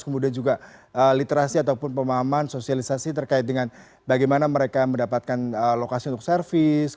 kemudian juga literasi ataupun pemahaman sosialisasi terkait dengan bagaimana mereka mendapatkan lokasi untuk servis